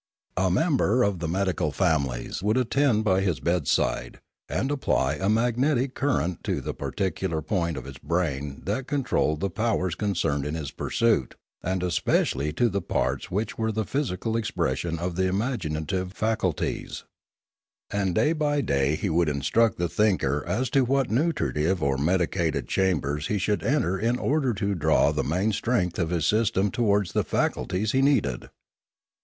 A member of the medical families would attend by his bedside, and apply a magnetic current to the particular point of his brain that controlled the powers concerned in his pursuit, and especially to the parts which were the physical expression of the imaginative faculties, 339 34° Limanora And by day he would instruct the thinker as to what nutritive or medicated chambers he should enter in order to draw the main strength of his system towards the faculties he needed.